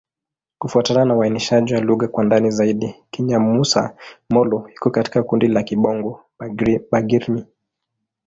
Kufuatana na uainishaji wa lugha kwa ndani zaidi, Kinyamusa-Molo iko katika kundi la Kibongo-Bagirmi.